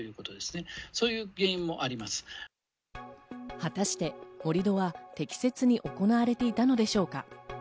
果たして盛り土は適切に行われていたのでしょうか。